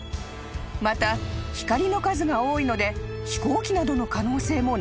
［また光の数が多いので飛行機などの可能性もないのだそう］